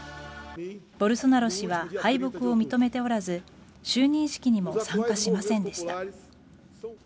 ボルソナロ氏は敗北を認めておらず就任式にも参加しませんでした。